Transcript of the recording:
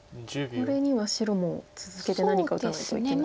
これには白も続けて何か打たないといけない。